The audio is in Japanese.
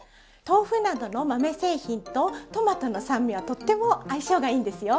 豆腐などの豆製品とトマトの酸味はとっても相性がいいんですよ。